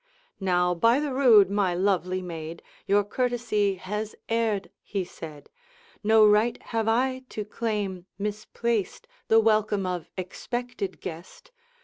'Now, by the rood, my lovely maid, Your courtesy has erred,' he said; 'No right have I to claim, misplaced, The welcome of expected guest.